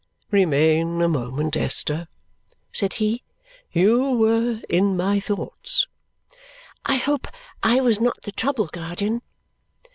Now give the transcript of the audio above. "Remain a moment, Esther," said he, "You were in my thoughts." "I hope I was not the trouble, guardian?"